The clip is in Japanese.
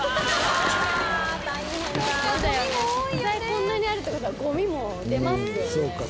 こんなにあるって事はゴミも出ますよね。